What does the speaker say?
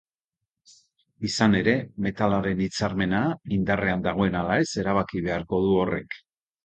Izan ere, metalaren hitzarmena indarrean dagoen ala ez erabaki beharko du horrek.